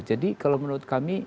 jadi kalau menurut kami